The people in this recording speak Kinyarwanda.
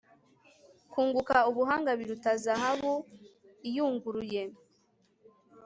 kunguka ubuhanga biruta zahabu iyunguruye